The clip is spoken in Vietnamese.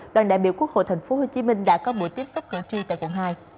đoàn đại biểu quốc hội tp hcm đã có buổi tiếp xúc cử tri tại quận hai